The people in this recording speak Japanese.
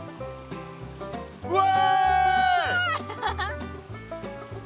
うわ！